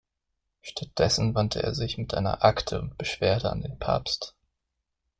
Stattdessen wandte er sich mit einer Akte und Beschwerde an den Papst.